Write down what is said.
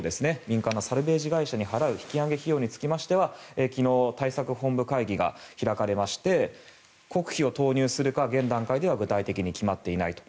民間のサルベージ会社に払う引き揚げ費用については昨日、対策本部会議が開かれまして国費を投入するか、現段階では具体的に決まっていないと。